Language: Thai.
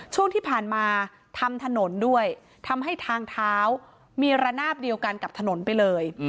ช่วงที่ผ่านมาทำถนนด้วยทำให้ทางเท้ามีระนาบเดียวกันกับถนนไปเลย